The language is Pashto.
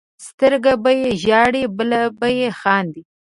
سترګه به یې ژاړي بله به یې خاندي.